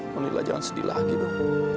nonila jangan sedih lagi non